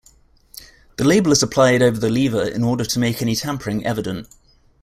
The label is applied over the lever in order to make any tampering evident.